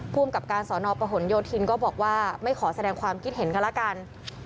ภูมิกับการสอนอประหลโยธินก็บอกว่าไม่ขอแสดงความคิดเห็นกันแล้วกัน